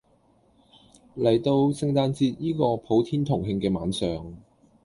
嚟到聖誕節依個普天同慶嘅晚上